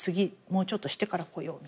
もうちょっとしてから来よう。